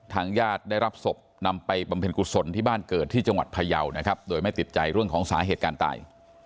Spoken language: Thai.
ญาติได้รับศพนำไปบำเพ็ญกุศลที่บ้านเกิดที่จังหวัดพยาวนะครับโดยไม่ติดใจเรื่องของสาเหตุการณ์ตาย